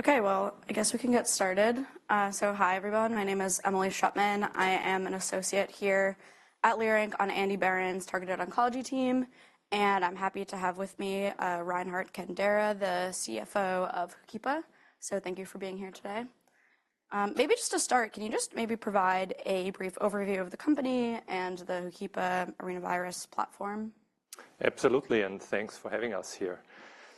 Okay, well, I guess we can get started. So hi, everyone. My name is Emily Shutman. I am an associate here at Leerink on Andrew Berens's targeted oncology team, and I'm happy to have with me Reinhard Kandera, the CFO of HOOKIPA. So thank you for being here today. Maybe just to start, can you just maybe provide a brief overview of the company and the HOOKIPA Arenavirus platform? Absolutely, and thanks for having us here.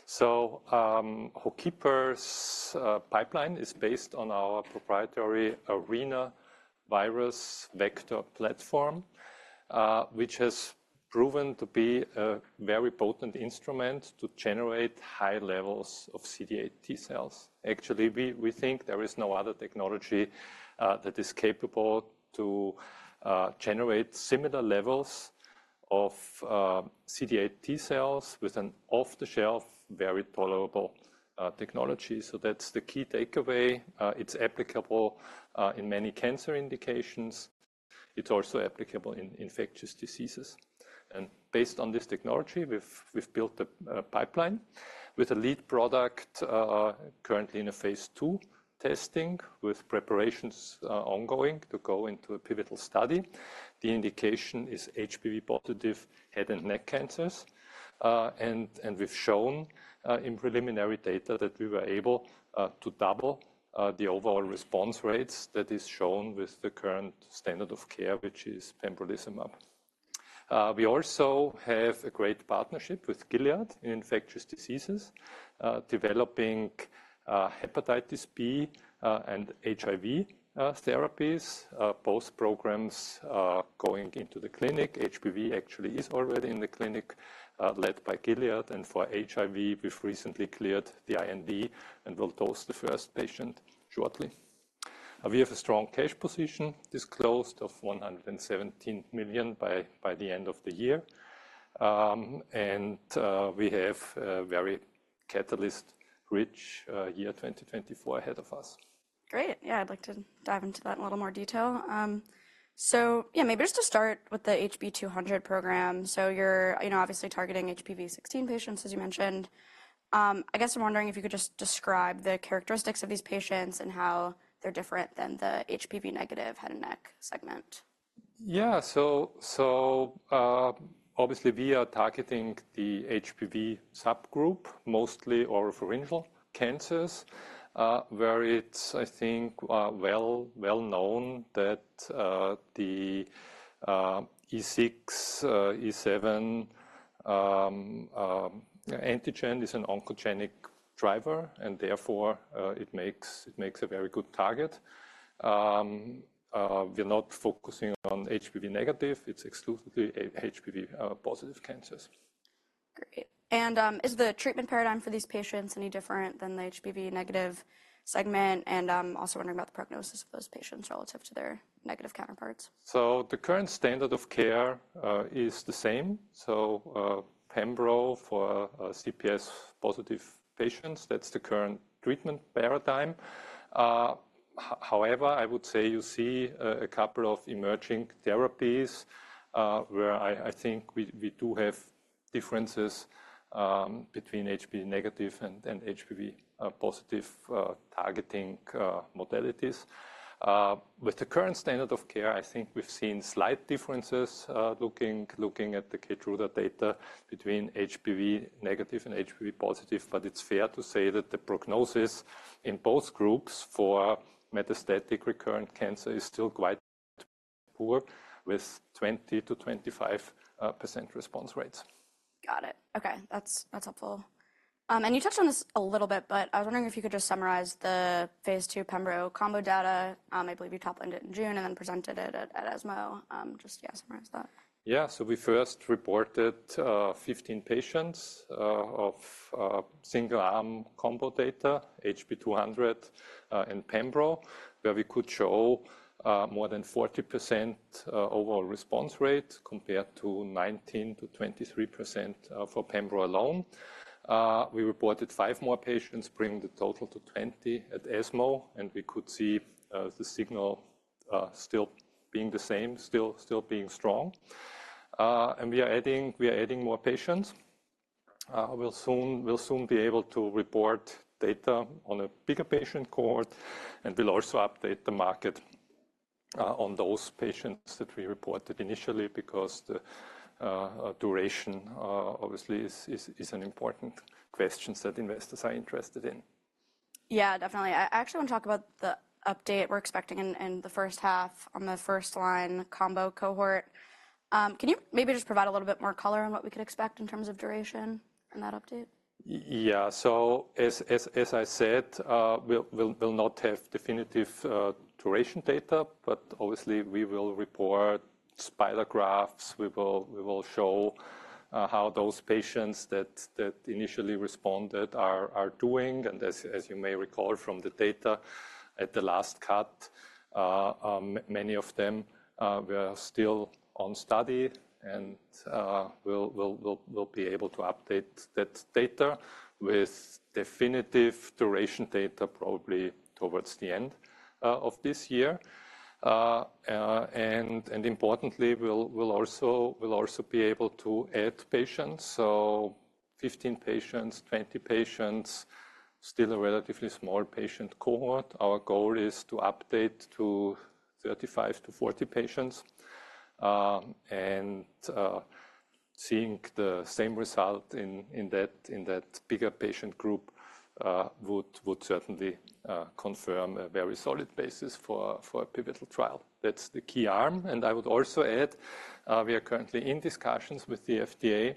So HOOKIPA's pipeline is based on our proprietary Arenavirus vector platform, which has proven to be a very potent instrument to generate high levels of CD8+ T cells. Actually, we think there is no other technology that is capable to generate similar levels of CD8+ T cells with an off-the-shelf, very tolerable technology. So that's the key takeaway. It's applicable in many cancer indications. It's also applicable in infectious diseases. And based on this technology, we've built the pipeline with a lead product currently in a phase II testing, with preparations ongoing to go into a pivotal study. The indication is HPV-positive head and neck cancers. And we've shown in preliminary data that we were able to double the overall response rates that is shown with the current standard of care, which is pembrolizumab. We also have a great partnership with Gilead in infectious diseases, developing hepatitis B and HIV therapies, both programs going into the clinic. HPV actually is already in the clinic, led by Gilead. And for HIV, we've recently cleared the IND and will dose the first patient shortly. We have a strong cash position disclosed of $117 million by the end of the year. And we have a very catalyst-rich year 2024 ahead of us. Great. Yeah, I'd like to dive into that in a little more detail. So yeah, maybe just to start with the HB-200 program. So you're obviously targeting HPV-16 patients, as you mentioned. I guess I'm wondering if you could just describe the characteristics of these patients and how they're different than the HPV-negative head and neck segment. Yeah. So obviously, we are targeting the HPV subgroup, mostly oropharyngeal cancers, where it's, I think, well known that the E6, E7 antigen is an oncogenic driver, and therefore it makes a very good target. We're not focusing on HPV-negative. It's exclusively HPV-positive cancers. Great. And is the treatment paradigm for these patients any different than the HPV-negative segment? And I'm also wondering about the prognosis of those patients relative to their negative counterparts. The current standard of care is the same. Pembrol for CPS-positive patients, that's the current treatment paradigm. However, I would say you see a couple of emerging therapies where I think we do have differences between HPV-negative and HPV-positive targeting modalities. With the current standard of care, I think we've seen slight differences looking at the Keytruda data between HPV-negative and HPV-positive. But it's fair to say that the prognosis in both groups for metastatic recurrent cancer is still quite poor, with 20%-25% response rates. Got it. OK, that's helpful. You touched on this a little bit, but I was wondering if you could just summarize the phase II pembro combo data. I believe you toplined it in June and then presented it at ESMO. Just, yeah, summarize that. Yeah. So we first reported 15 patients of single-arm combo data, HB-200 and pembro, where we could show more than 40% overall response rate compared to 19%-23% for pembro alone. We reported five more patients, bringing the total to 20 at ESMO. And we could see the signal still being the same, still being strong. And we are adding more patients. We'll soon be able to report data on a bigger patient cohort. And we'll also update the market on those patients that we reported initially, because the duration, obviously, is an important question that investors are interested in. Yeah, definitely. I actually want to talk about the update we're expecting in the first half on the first-line combo cohort. Can you maybe just provide a little bit more color on what we could expect in terms of duration and that update? Yeah. So as I said, we'll not have definitive duration data. But obviously, we will report spider graphs. We will show how those patients that initially responded are doing. And as you may recall from the data at the last cut, many of them were still on study. And we'll be able to update that data with definitive duration data probably towards the end of this year. And importantly, we'll also be able to add patients. So 15 patients, 20 patients, still a relatively small patient cohort. Our goal is to update to 35%-40% patients. And seeing the same result in that bigger patient group would certainly confirm a very solid basis for a pivotal trial. That's the key arm. And I would also add, we are currently in discussions with the FDA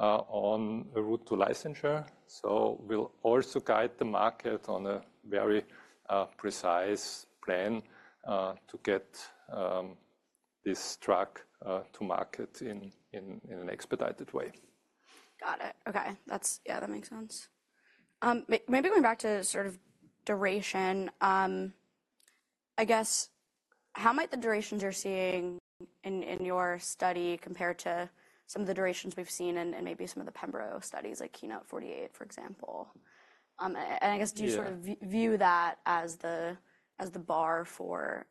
on a route to licensure. We'll also guide the market on a very precise plan to get this drug to market in an expedited way. Got it. OK, yeah, that makes sense. Maybe going back to sort of duration, I guess, how might the durations you're seeing in your study compare to some of the durations we've seen in maybe some of the pembro studies, like KEYNOTE-048, for example? And I guess, do you sort of view that as the bar for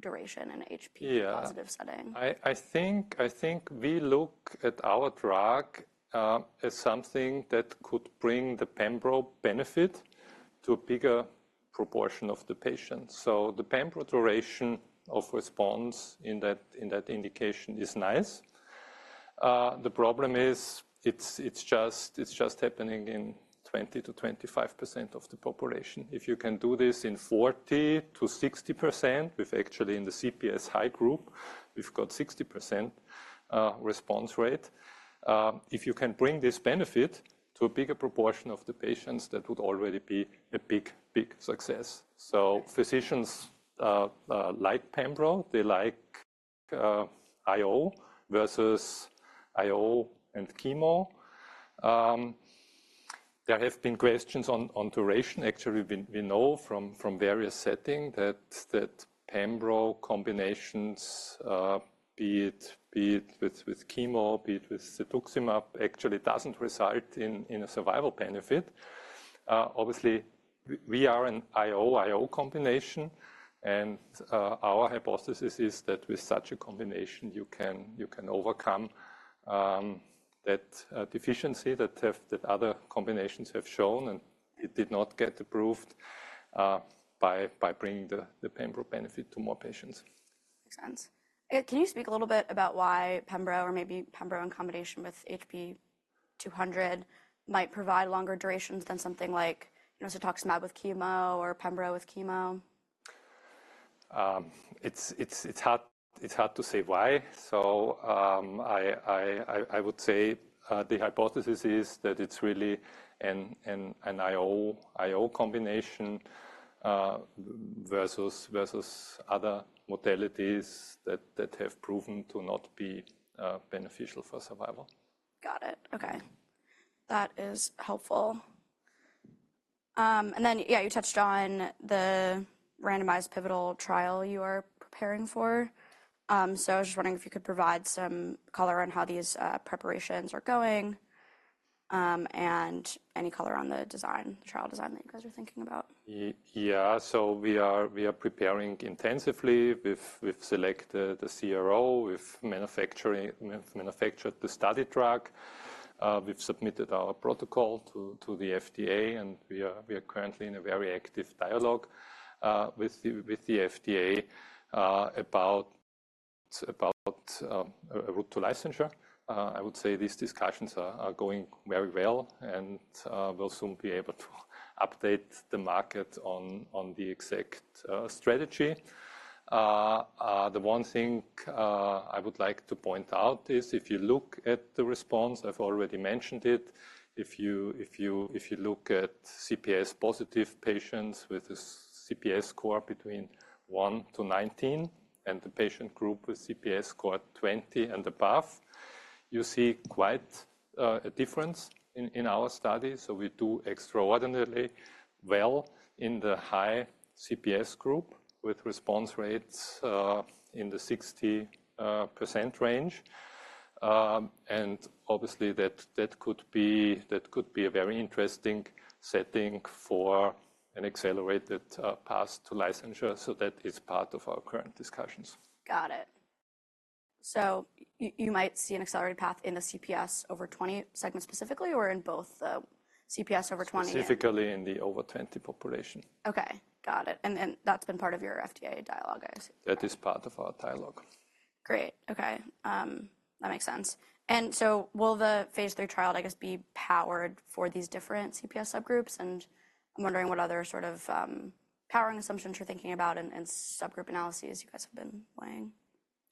duration in an HPV-positive setting? Yeah. I think we look at our drug as something that could bring the pembro benefit to a bigger proportion of the patients. So the pembro duration of response in that indication is nice. The problem is, it's just happening in 20%-25% of the population. If you can do this in 40%-60%, we've actually, in the CPS high group, we've got 60% response rate. If you can bring this benefit to a bigger proportion of the patients, that would already be a big, big success. So physicians like pembro. They like IO versus IO and chemo. There have been questions on duration. Actually, we know from various settings that pembro combinations, be it with chemo, be it with cetuximab, actually doesn't result in a survival benefit. Obviously, we are an IO/IO combination. Our hypothesis is that with such a combination, you can overcome that deficiency that other combinations have shown, and it did not get approved by bringing the pembrolizumab benefit to more patients. Makes sense. Can you speak a little bit about why pembro, or maybe pembro in combination with HB-200, might provide longer durations than something like cetuximab with chemo or pembro with chemo? It's hard to say why. I would say the hypothesis is that it's really an IO/IO combination versus other modalities that have proven to not be beneficial for survival. Got it. OK, that is helpful. And then, yeah, you touched on the randomized pivotal trial you are preparing for. So I was just wondering if you could provide some color on how these preparations are going and any color on the design, the trial design that you guys are thinking about. Yeah. So we are preparing intensively. We've selected the CRO, we've manufactured the study drug, we've submitted our protocol to the FDA. And we are currently in a very active dialogue with the FDA about a route to licensure. I would say these discussions are going very well. And we'll soon be able to update the market on the exact strategy. The one thing I would like to point out is, if you look at the response I've already mentioned it if you look at CPS-positive patients with a CPS score between one to 19 and the patient group with CPS score 20 and above, you see quite a difference in our study. So we do extraordinarily well in the high CPS group, with response rates in the 60% range. And obviously, that could be a very interesting setting for an accelerated path to licensure. So that is part of our current discussions. Got it. So you might see an accelerated path in the CPS over 20 segment specifically, or in both the CPS over 20? Specifically in the over 20 population. OK, got it. And that's been part of your FDA dialogue, I assume? That is part of our dialogue. Great. OK, that makes sense. And so will the phase III trial, I guess, be powered for these different CPS subgroups? And I'm wondering what other sort of powering assumptions you're thinking about and subgroup analyses you guys have been weighing.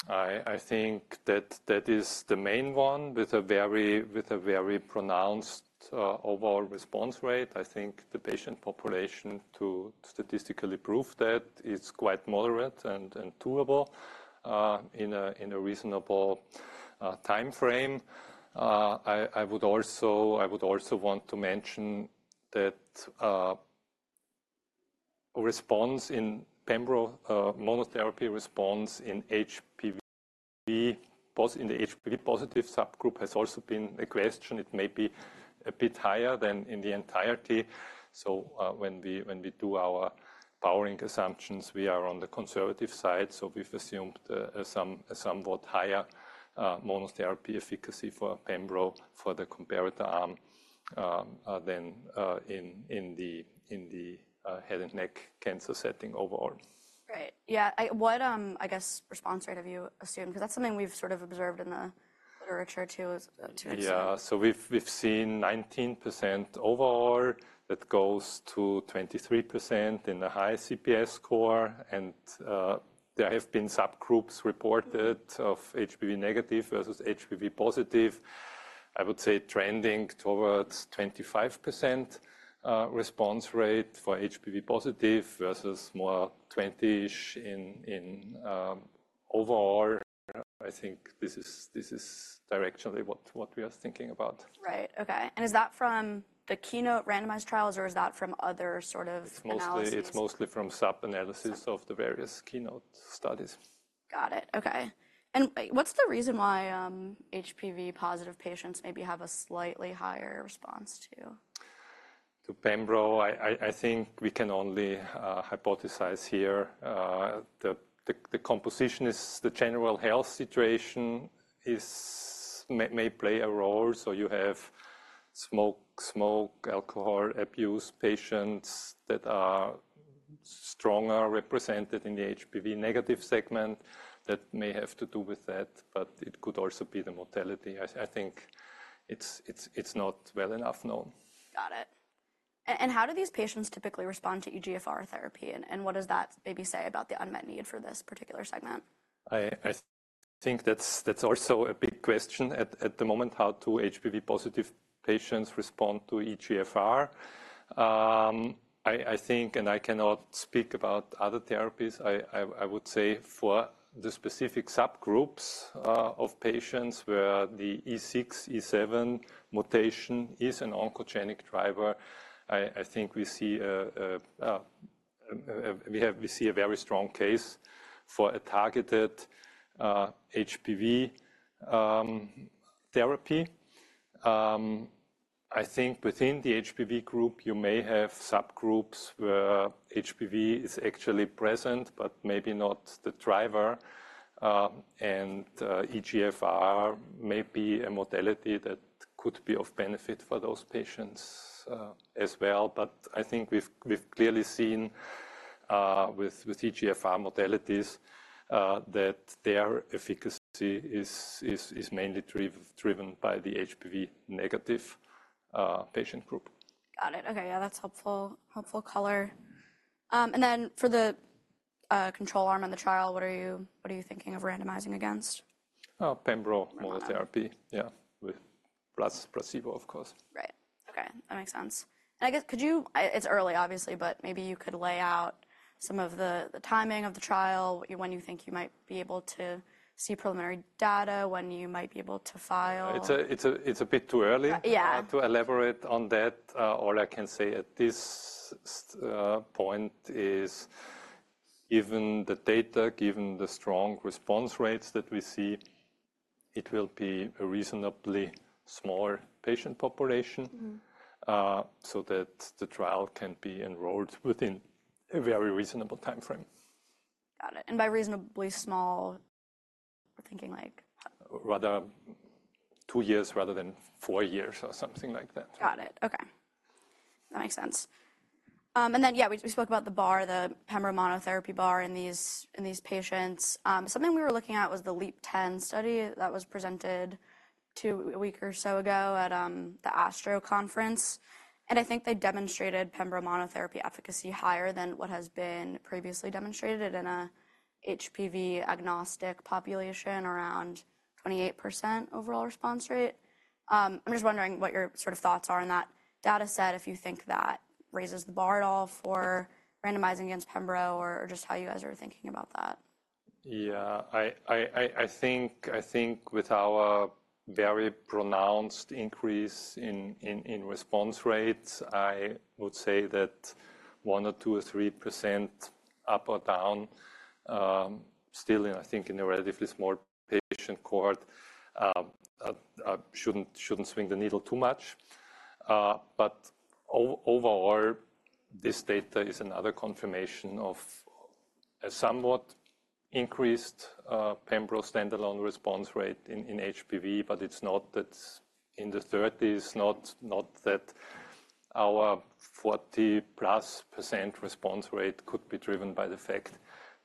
I think that that is the main one, with a very pronounced overall response rate. I think the patient population, to statistically prove that, is quite moderate and doable in a reasonable time frame. I would also want to mention that response in pembro, monotherapy response in HPV-positive subgroup has also been a question. It may be a bit higher than in the entirety. So when we do our powering assumptions, we are on the conservative side. So we've assumed a somewhat higher monotherapy efficacy for pembro for the comparator arm than in the head and neck cancer setting overall. Great. Yeah, what, I guess, response rate have you assumed? Because that's something we've sort of observed in the literature, too. Yeah. So we've seen 19% overall that goes to 23% in the high CPS score. There have been subgroups reported of HPV-negative versus HPV-positive, I would say, trending towards 25% response rate for HPV-positive versus more 20%-ish in overall. I think this is directionally what we are thinking about. Right. OK. And is that from the KEYNOTE randomized trials, or is that from other sort of analyses? It's mostly from sub-analyses of the various KEYNOTE studies. Got it. OK. What's the reason why HPV-positive patients maybe have a slightly higher response, too? To pembrolizumab, I think we can only hypothesize here. The composition is the general health situation may play a role. So you have smoke, alcohol abuse patients that are stronger represented in the HPV-negative segment that may have to do with that. But it could also be the mortality. I think it's not well enough known. Got it. And how do these patients typically respond to EGFR therapy? And what does that maybe say about the unmet need for this particular segment? I think that's also a big question at the moment, how do HPV-positive patients respond to EGFR? I think, and I cannot speak about other therapies, I would say, for the specific subgroups of patients where the E6/E7 mutation is an oncogenic driver, I think we see a very strong case for a targeted HPV therapy. I think within the HPV group, you may have subgroups where HPV is actually present but maybe not the driver. And EGFR may be a modality that could be of benefit for those patients as well. But I think we've clearly seen with EGFR modalities that their efficacy is mainly driven by the HPV-negative patient group. Got it. OK, yeah, that's helpful color. And then for the control arm in the trial, what are you thinking of randomizing against? Pembrol monotherapy, yeah, plus placebo, of course. Right. OK, that makes sense. And I guess, it's early, obviously, but maybe you could lay out some of the timing of the trial, when you think you might be able to see preliminary data, when you might be able to file? It's a bit too early to elaborate on that. All I can say at this point is, given the data, given the strong response rates that we see, it will be a reasonably small patient population so that the trial can be enrolled within a very reasonable time frame. Got it. By reasonably small, we're thinking like. Rather, two years rather than four years or something like that. Got it. OK, that makes sense. And then, yeah, we spoke about the bar, the pembro monotherapy bar in these patients. Something we were looking at was the LEAP-10 study that was presented a week or so ago at the ASTRO Conference. And I think they demonstrated pembro monotherapy efficacy higher than what has been previously demonstrated in an HPV-agnostic population, around 28% overall response rate. I'm just wondering what your sort of thoughts are on that data set, if you think that raises the bar at all for randomizing against pembro or just how you guys are thinking about that. Yeah. I think with our very pronounced increase in response rates, I would say that 1% or 2% or 3% up or down, still, I think, in a relatively small patient cohort, shouldn't swing the needle too much. But overall, this data is another confirmation of a somewhat increased pembro standalone response rate in HPV. But it's not that in the 30s, not that our 40%+ response rate could be driven by the fact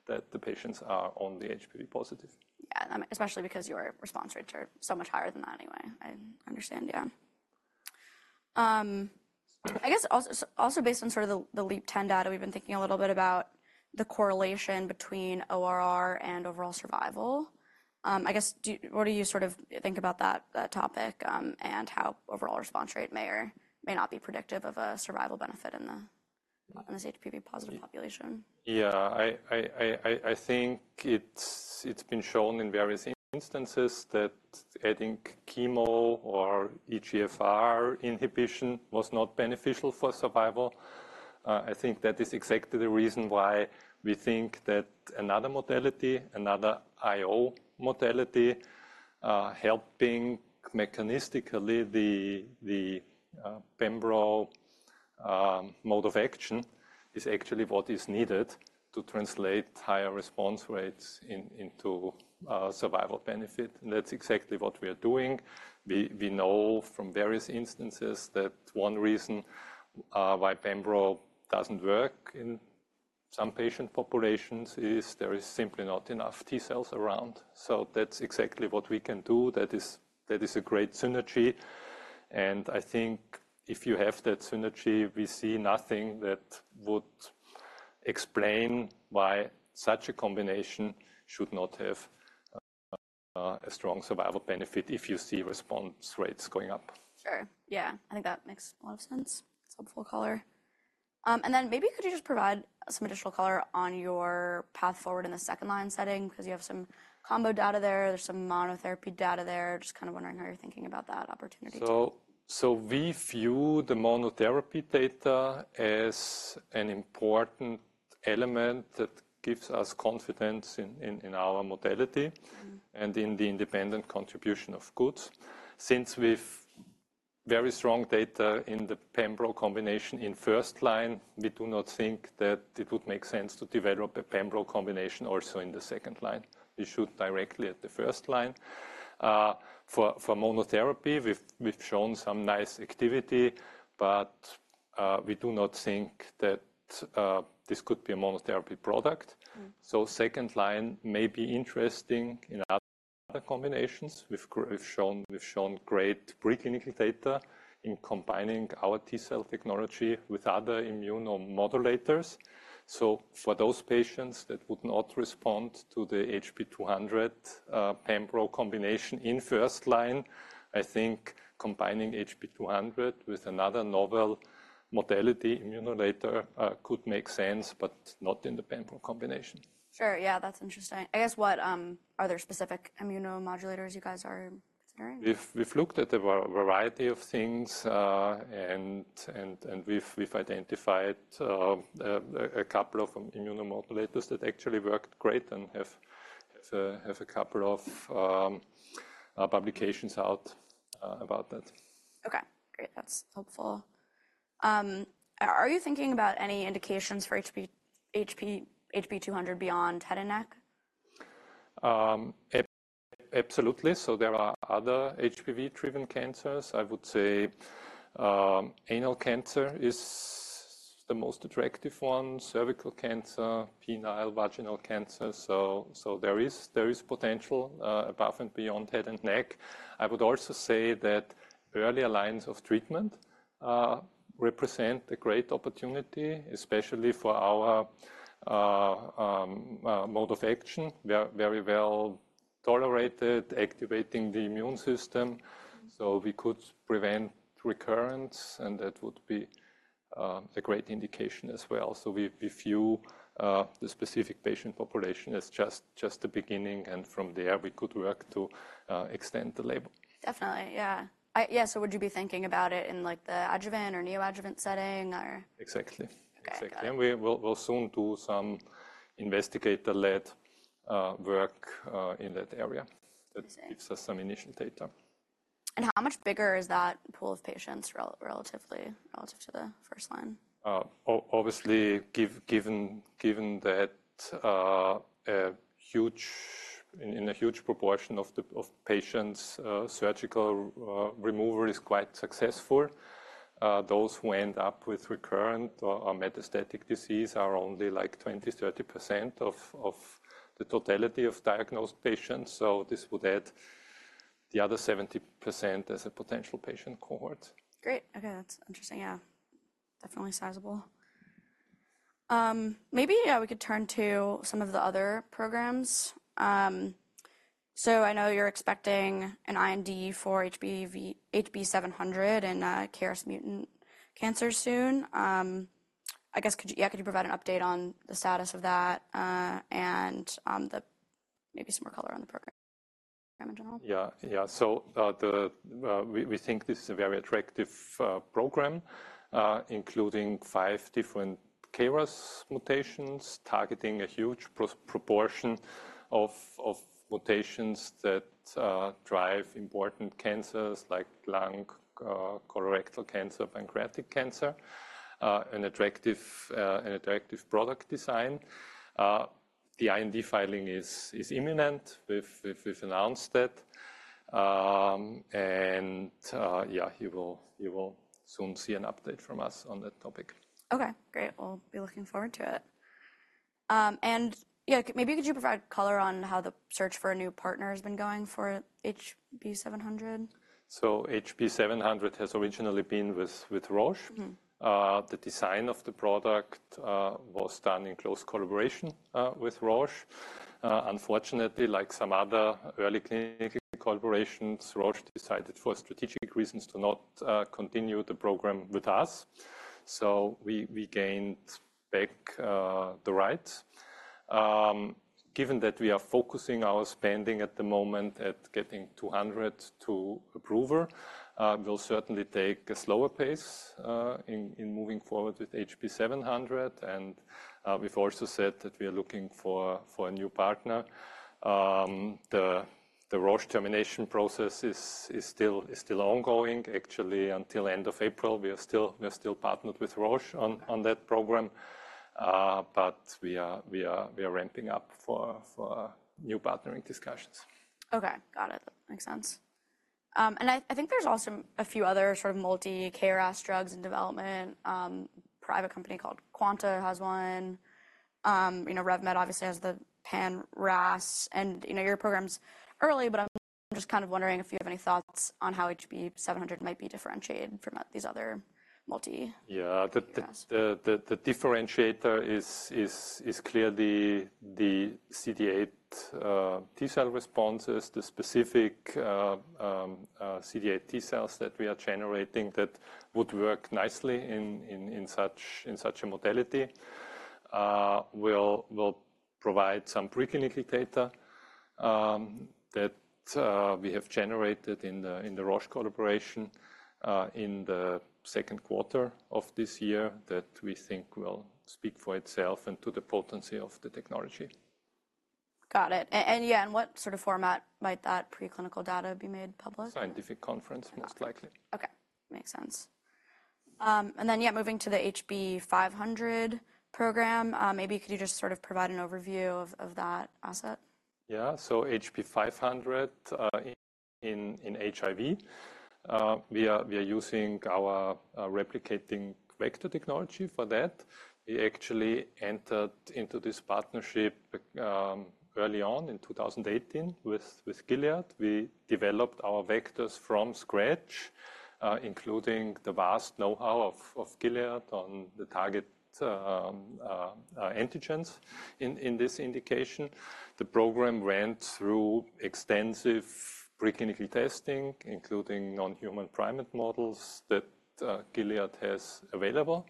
that the patients are only HPV-positive. Yeah, especially because your response rates are so much higher than that anyway. I understand, yeah. I guess, also based on sort of the LEAP-10 data, we've been thinking a little bit about the correlation between ORR and overall survival. I guess, what do you sort of think about that topic and how overall response rate may or may not be predictive of a survival benefit in this HPV-positive population? Yeah. I think it's been shown in various instances that adding chemo or EGFR inhibition was not beneficial for survival. I think that is exactly the reason why we think that another modality, another IO modality, helping mechanistically the pembrolizumab mode of action is actually what is needed to translate higher response rates into survival benefit. And that's exactly what we are doing. We know from various instances that one reason why pembrolizumab doesn't work in some patient populations is there is simply not enough T cells around. So that's exactly what we can do. That is a great synergy. And I think, if you have that synergy, we see nothing that would explain why such a combination should not have a strong survival benefit if you see response rates going up. Sure. Yeah, I think that makes a lot of sense. It's helpful color. And then maybe could you just provide some additional color on your path forward in the second line setting? Because you have some combo data there. There's some monotherapy data there. Just kind of wondering how you're thinking about that opportunity. So we view the monotherapy data as an important element that gives us confidence in our modality and in the independent contribution of HB-200s. Since we have very strong data in the pembro combination in first line, we do not think that it would make sense to develop a pembro combination also in the second line. We should directly at the first line. For monotherapy, we've shown some nice activity. But we do not think that this could be a monotherapy product. So second line may be interesting in other combinations. We've shown great preclinical data in combining our T cell technology with other immunomodulators. So for those patients that would not respond to the HB-200 pembro combination in first line, I think combining HB-200 with another novel modality immunomodulator could make sense, but not in the pembro combination. Sure. Yeah, that's interesting. I guess, what are there specific immunomodulators you guys are considering? We've looked at a variety of things. We've identified a couple of immunomodulators that actually worked great and have a couple of publications out about that. OK, great. That's helpful. Are you thinking about any indications for HB-200 beyond head and neck? Absolutely. So there are other HPV-driven cancers. I would say anal cancer is the most attractive one, cervical cancer, penile, vaginal cancer. So there is potential above and beyond head and neck. I would also say that earlier lines of treatment represent a great opportunity, especially for our mode of action, very well tolerated, activating the immune system. So we could prevent recurrence. And that would be a great indication as well. So we view the specific patient population as just the beginning. And from there, we could work to extend the label. Definitely, yeah. Yeah, so would you be thinking about it in the adjuvant or neoadjuvant setting, or? Exactly. Exactly. We'll soon do some investigator-led work in that area that gives us some initial data. How much bigger is that pool of patients relatively to the first line? Obviously, given that in a huge proportion of patients, surgical removal is quite successful. Those who end up with recurrent or metastatic disease are only like 20%-30% of the totality of diagnosed patients. So this would add the other 70% as a potential patient cohort. Great. OK, that's interesting, yeah. Definitely sizable. Maybe, yeah, we could turn to some of the other programs. So I know you're expecting an IND for HB-700 and KRAS mutant cancer soon. I guess, yeah, could you provide an update on the status of that and maybe some more color on the program in general? Yeah, yeah. So we think this is a very attractive program, including five different KRAS mutations targeting a huge proportion of mutations that drive important cancers like lung, colorectal cancer, pancreatic cancer, an attractive product design. The IND filing is imminent. We've announced that. And yeah, you will soon see an update from us on that topic. OK, great. We'll be looking forward to it. And yeah, maybe could you provide color on how the search for a new partner has been going for HB-700? So HB-700 has originally been with Roche. The design of the product was done in close collaboration with Roche. Unfortunately, like some other early clinical collaborations, Roche decided for strategic reasons to not continue the program with us. So we gained back the rights. Given that we are focusing our spending at the moment at getting HB-200 to approval, we'll certainly take a slower pace in moving forward with HB-700. And we've also said that we are looking for a new partner. The Roche termination process is still ongoing. Actually, until the end of April, we are still partnered with Roche on that program. But we are ramping up for new partnering discussions. OK, got it. That makes sense. I think there's also a few other sort of multi-KRAS drugs in development. A private company called Quanta has one. RevMed, obviously, has the pan-RAS. Your program's early. But I'm just kind of wondering if you have any thoughts on how HB700 might be differentiated from these other multi-KRAS drugs. Yeah. The differentiator is clearly the CD8 T cell responses, the specific CD8 T cells that we are generating that would work nicely in such a modality. We'll provide some preclinical data that we have generated in the Roche collaboration in the second quarter of this year that we think will speak for itself and to the potency of the technology. Got it. Yeah, in what sort of format might that preclinical data be made public? Scientific conference, most likely. OK, makes sense. And then, yeah, moving to the HB-500 program, maybe could you just sort of provide an overview of that asset? Yeah. So HB-500 in HIV, we are using our replicating vector technology for that. We actually entered into this partnership early on in 2018 with Gilead. We developed our vectors from scratch, including the vast know-how of Gilead on the target antigens in this indication. The program ran through extensive preclinical testing, including non-human primate models that Gilead has available.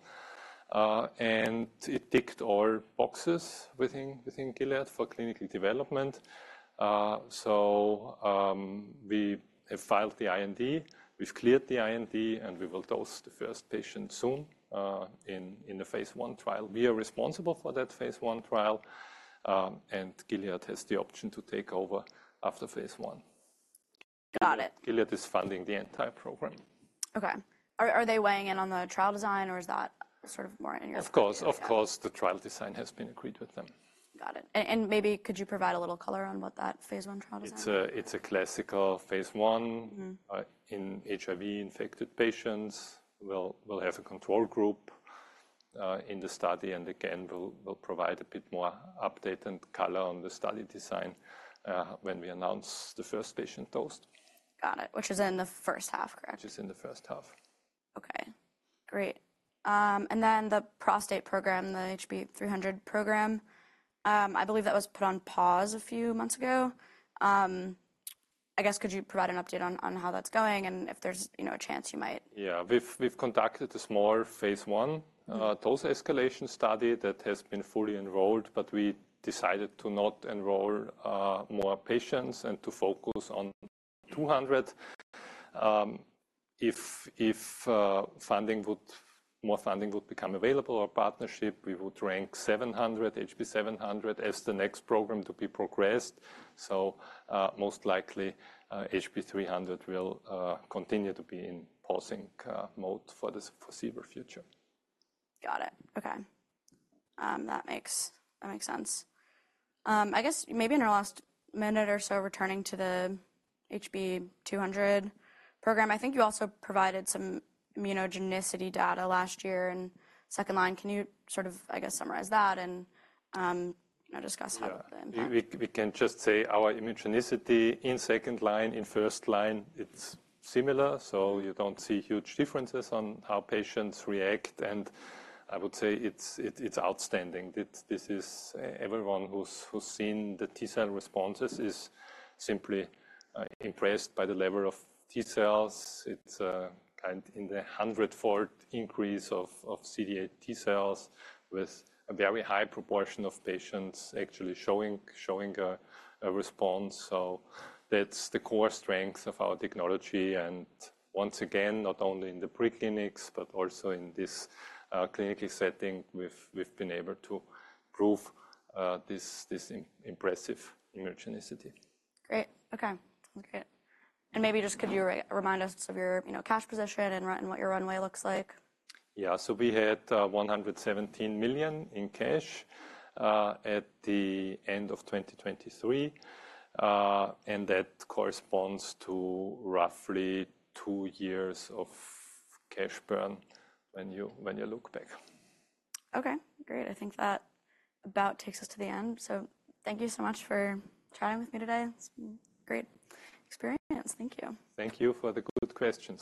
And it ticked all boxes within Gilead for clinical development. So we have filed the IND. We've cleared the IND. And we will dose the first patient soon in the phase one trial. We are responsible for that phase one trial. And Gilead has the option to take over after phase I. Got it. Gilead is funding the entire program. OK. Are they weighing in on the trial design? Or is that sort of more in your hands? Of course. Of course, the trial design has been agreed with them. Got it. And maybe could you provide a little color on what that phase 1 trial design is? It's a classical phase I in HIV-infected patients. We'll have a control group in the study. Again, we'll provide a bit more update and color on the study design when we announce the first patient dose. Got it. Which is in the first half, correct? Which is in the first half. OK, great. And then the prostate program, the HB-300 program, I believe that was put on pause a few months ago. I guess, could you provide an update on how that's going? And if there's a chance, you might. Yeah. We've conducted a small phase 1 dose escalation study that has been fully enrolled. But we decided to not enroll more patients and to focus on 200. If more funding would become available or a partnership, we would rank 700, HB-700, as the next program to be progressed. So most likely, HB-300 will continue to be in pausing mode for the foreseeable future. Got it. OK. That makes sense. I guess, maybe in our last minute or so, returning to the HB-200 program, I think you also provided some immunogenicity data last year in second line. Can you sort of, I guess, summarize that and discuss how that impacted? Yeah. We can just say our immunogenicity in second line, in first line, it's similar. So you don't see huge differences on how patients react. And I would say it's outstanding. Everyone who's seen the T cell responses is simply impressed by the level of T cells. It's kind of in the 100-fold increase of CD8+ T cells with a very high proportion of patients actually showing a response. So that's the core strength of our technology. And once again, not only in the preclinics, but also in this clinical setting, we've been able to prove this impressive immunogenicity. Great. OK. Sounds great. Maybe just could you remind us of your cash position and what your runway looks like? Yeah. We had $117 million in cash at the end of 2023. That corresponds to roughly two years of cash burn when you look back. OK, great. I think that about takes us to the end. So thank you so much for chatting with me today. It's a great experience. Thank you. Thank you for the good questions.